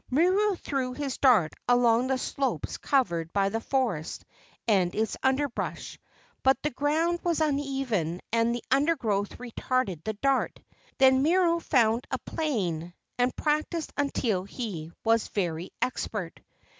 Miru threw his dart along the slopes covered by the forest and its underbrush, but the ground was uneven and the undergrowth retarded the dart. Then Miru found a plain and practised until he was very expert.